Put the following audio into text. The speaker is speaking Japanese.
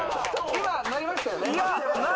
・今鳴りましたよね。